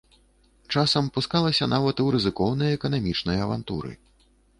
Часам пускалася нават у рызыкоўныя эканамічныя авантуры.